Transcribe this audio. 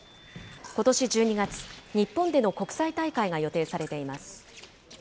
ことし１２月、日本での国際大会が予定されています。